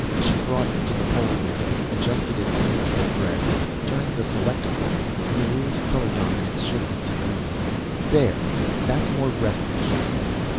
She crossed to the polawindow, adjusted it to neutral gray, turned the selectacol, and the room's color dominance shifted to green. "There, that's more restful," she said.